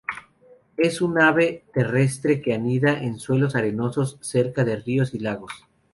Es un ave terrestre que anida en suelos arenosos cerca de ríos y lagos.